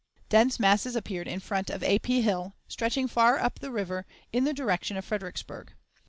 Dense masses appeared in front of A. P. Hill, stretching far up the river in the direction of Fredericksburg.